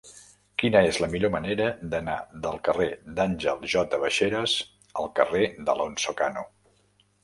Quina és la millor manera d'anar del carrer d'Àngel J. Baixeras al carrer d'Alonso Cano?